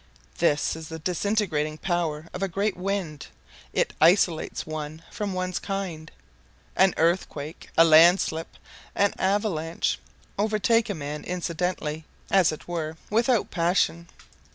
This is the disintegrating power of a great wind: it isolates one from one's kind. An earthquake, a landslip, an avalanche, overtake a man incidentally, as it were without passion.